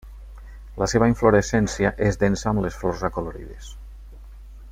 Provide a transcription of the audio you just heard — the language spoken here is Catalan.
La seva inflorescència és densa amb les flors acolorides.